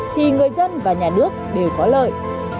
thì người dân và nhà nước đều có lợi